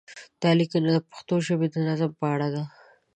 دا لیکنه د پښتو ژبې د نظم په اړه ده.